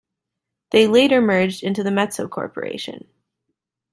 They later merged into the Metso Corporation.